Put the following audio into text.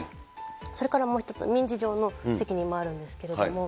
それからもう１つ、民事上の責任もあるんですけれども。